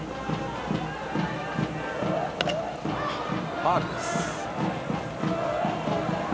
ファウルです。